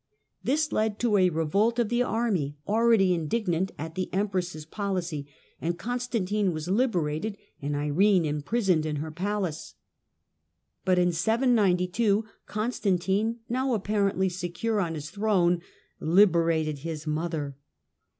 This led to a revolt of the ,rmy, already indignant at the Empress' policy, and Con tantine was liberated and Irene imprisoned in her >alace. But in 79*2 Constantine, now apparently secure n his throne, liberated his mother.